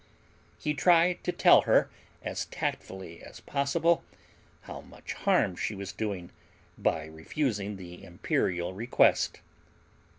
He tried to tell her as tactfully as possible how much harm she was doing by refusing the imperial request.